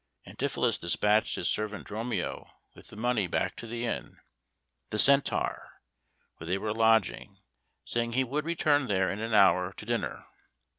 Antipholus despatched his servant Dromio with the money back to the inn the "Centaur" where they were lodging, saying he would return there in an hour to dinner.